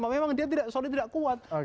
memang dia solid tidak kuat